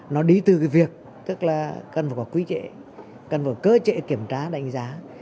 nó đi từ việc cần phải có quý trệ cần phải có cơ trệ kiểm tra đánh giá